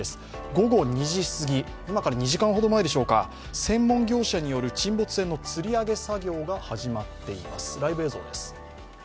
午後２時すぎ、今から２時間ほど前専門業者による沈没船のつり上げ作業が始まっています。